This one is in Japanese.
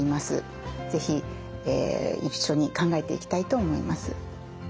是非一緒に考えていきたいと思います。